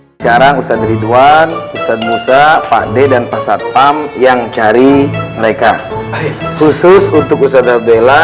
hai sekarang usahawan usahawan musa pakde dan pasar pam yang cari mereka khusus untuk usaha bella